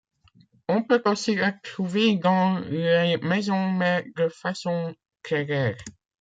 On peut aussi la trouver dans les maisons mais de façon très rare.